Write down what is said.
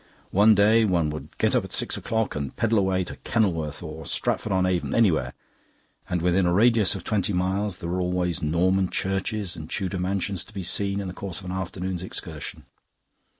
One day one would get up at six o'clock and pedal away to Kenilworth, or Stratford on Avon anywhere. And within a radius of twenty miles there were always Norman churches and Tudor mansions to be seen in the course of an afternoon's excursion.